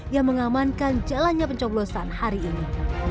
yang mengamankan jalannya pencoblosan hari ini